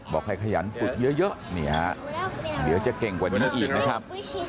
บอกให้ขยันฝึกเยอะนี่ฮะเดี๋ยวจะเก่งกว่านี้อีกนะครับ